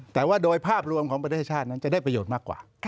แต่ว่าโดยภาพรวมของประเทศชาตินั้นจะได้ประโยชน์มากกว่า